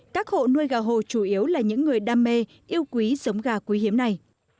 các hộ nuôi gà hồ chủ yếu là những người đam mê yêu quý giống gà quý hiếm này